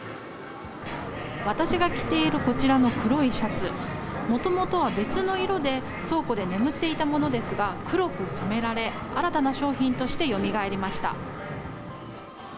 私が着ているこちらの黒いシャツ、もともとは別の色で、倉庫で眠っていたものですが、黒く染められ、新たな商品としてよみがえりました。